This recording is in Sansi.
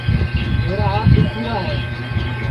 میرا ہات دُؔکھی راہے